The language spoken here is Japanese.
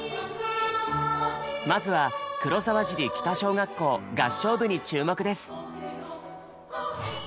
まずは黒沢尻北小学校合唱部に注目です。